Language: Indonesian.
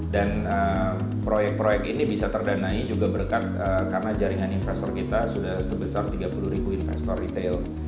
dan proyek proyek ini bisa terdanai juga berkat karena jaringan investor kita sudah sebesar tiga puluh investor retail